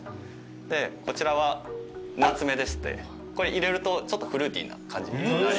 でこちらはナツメでしてこれ入れるとちょっとフルーティーな感じに。